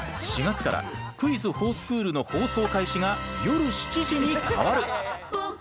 ４月から「クイズほぉスクール」の放送開始が夜７時に変わる。